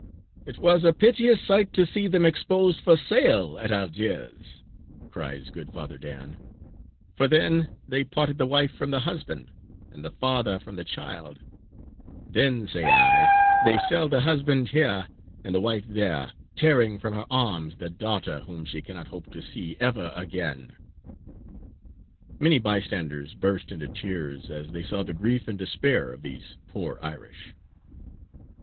"It was a piteous sight to see them exposed for sale at Algiers," cries good Father Dan; "for then they parted the wife from the husband, and the father from the child; then, say I, they sell the husband here, and the wife there, tearing from her arms the daughter whom she cannot hope to see ever again." Many bystanders burst into tears as they saw the grief and despair of these poor Irish.